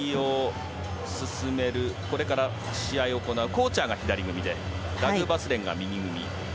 今の試合を進めるこれから試合を行うコーチャーが左組みでラグバスレンが右組み。